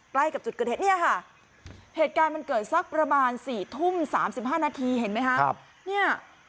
ใกล้กับจุดเกิดเห็นเหตุการณ์เกิดสักประมาณ๔ทุ่ม๓๕นาทีเห็นไหม